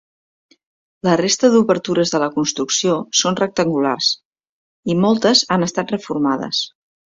La resta d'obertures de la construcció són rectangulars i moltes han estat reformades.